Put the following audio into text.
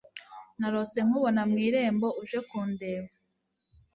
narose nkubona mu irembo uje kundeba